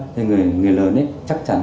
thì người lớn chắc chắn là phải cần tiêm